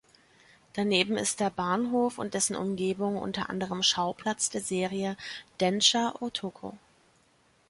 Daneben ist der Bahnhof und dessen Umgebung unter anderem Schauplatz der Serie "Densha Otoko".